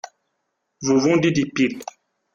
Vous vendez des piles ?